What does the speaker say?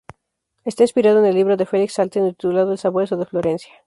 Está inspirada en el libro de Felix Salten titulado "El sabueso de Florencia".